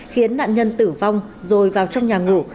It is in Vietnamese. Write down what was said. khiến nạn nhân tử vong rồi vào trong nhà ngủ